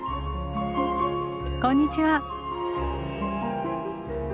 こんにちは。